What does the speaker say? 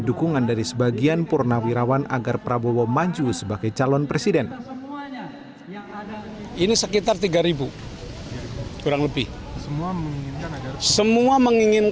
dukungan dari sebagian purnawirawan agar prabowo maju sebagai calon presiden